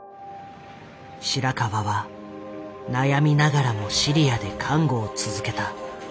白川は悩みながらもシリアで看護を続けた。